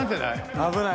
危ない。